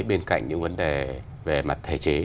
bên cạnh những vấn đề về mặt thể chế